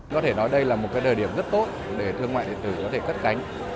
có thể nói đây là một thời điểm rất tốt để thương mại điện tử có thể cất cánh